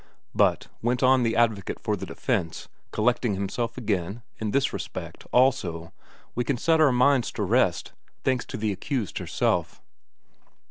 But, went on the advocate for the defence, collecting himself again, in this respect, also, we can set our minds at rest, thanks to the accused herself.